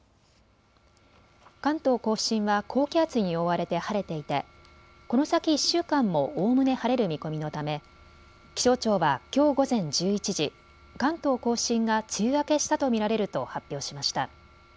関東甲信は高気圧に覆われて晴れていてこの先１週間もおおむね晴れる見込みのため気象庁はきょう午前１１時、関東甲信が梅雨明けしたと見られると発表しました。